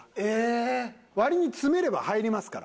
割に詰めれば入りますから。